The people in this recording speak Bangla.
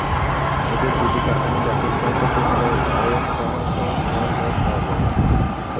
এতে দুটি কারখানায় ব্যাপক ক্ষয়ক্ষতি হলেও কারও হতাহত হওয়ার খবর পাওয়া যায়নি।